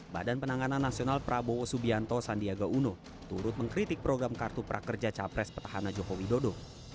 badan penanganan nasional prabowo subianto sandiaga uno turut mengkritik program kartu prakerja capres petahana joko widodo